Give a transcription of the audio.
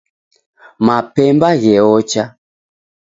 Mapemba gheocha